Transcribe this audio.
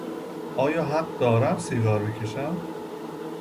آیا حق دارم سیگار بکشم؟